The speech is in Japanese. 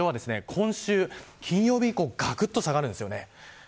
もう一つ、特徴は今週金曜日以降がくっと下がるんです。